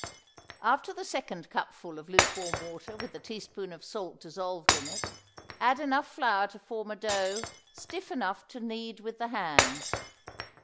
After the second cupful of lukewarm water with the teaspoonful of salt dissolved in it, add enough flour to form a dough stiff enough to knead with the hands.